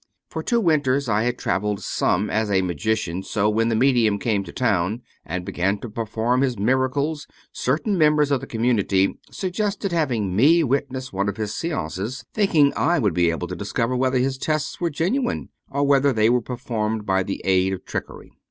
For two winters I had traveled some as a magician, so when the medium came to town, and began to perform his miracles, certain members of the community suggested having me witness one of his seances, thinking I would be able to discover whether his tests were genuine, or whether they were performd by the aid of trickery.